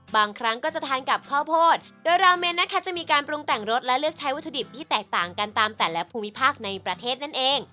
บางครั้งก็จะทานกับข้าวโพดโดยราเมนนะคะจะมีการปรุงแต่งรสและเลือกใช้วัตถุดิบที่แตกต่างกันตามแต่ละภูมิภาคในประเทศนั่นเอง